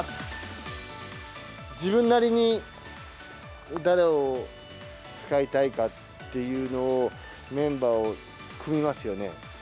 自分なりに、誰を使いたいかっていうのを、メンバーを組みますよね。